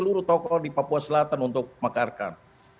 seluruh tokoh di papua selatan untuk mekarkan